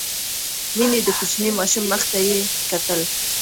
مينې د کوچني ماشوم مخ ته يې کتل.